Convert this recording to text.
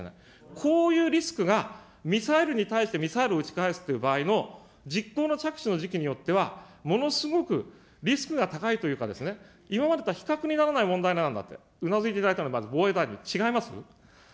こういうリスクが、ミサイルに対してミサイルを撃ち返すっていう場合の実行の着手の時期によっては、ものすごくリスクが高いというか、今までとは比較にならない問題なんだって、うなずいていただいたの、まず防衛大臣、違います。